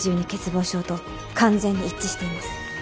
欠乏症と完全に一致しています。